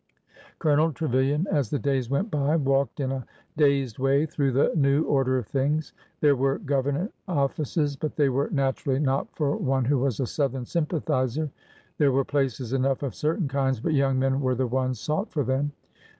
Colonel Trevilian, as the days went by, walked in a dazed way through the new order of things. There were government offices, but they were naturally not for one who was a Southern sympathizer. There were places enough of certain kinds, but young men were the ones sought for them.